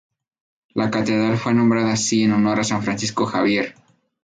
La catedral fue nombrada así en honor de San Francisco Javier.